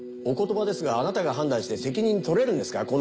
お言葉ですがあなたが判断して責任とれるんですか？